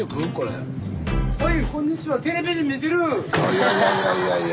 いやいやいやいやいや。